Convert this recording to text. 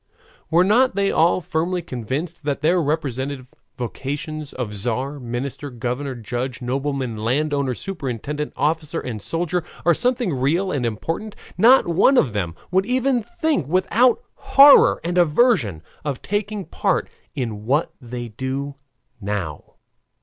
Were not they all firmly convinced that their respective vocations of tzar, minister, governor, judge, nobleman, landowner, superintendent, officer, and soldier are something real and important, not one of them would even think without horror and aversion of taking part in what they do now.